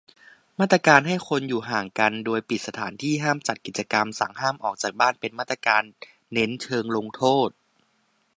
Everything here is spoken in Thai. มาตรการให้คนอยู่ห่างกัน โดยปิดสถานที่ ห้ามจัดกิจกรรม สั่งห้ามออกจากบ้าน เป็นมาตรการเน้นเชิงลงโทษ